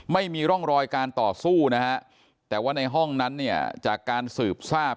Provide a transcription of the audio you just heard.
ไม่มีร่องรอยการต่อสู้นะฮะแต่ว่าในห้องนั้นเนี่ยจากการสืบทราบ